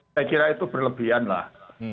saya kira itu berlebihan lah